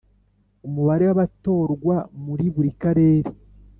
Umubare w abatorwa muri buri Karere